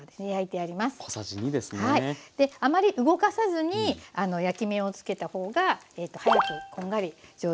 あまり動かさずに焼き目をつけた方が早くこんがり上手に焼けます。